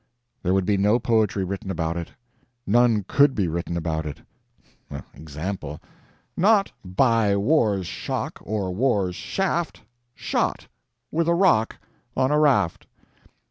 There would be no poetry written about it. None COULD be written about it. Example: NOT by war's shock, or war's shaft, SHOT, with a rock, on a raft.